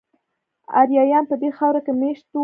آریایان په دې خاوره کې میشت وو